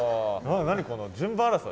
何この順番争い？